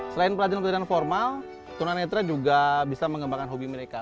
selain pelajaran pelajaran formal tunanetra juga bisa mengembangkan hobi mereka